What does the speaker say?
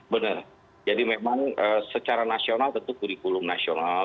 benar jadi memang secara nasional tentu kurikulum nasional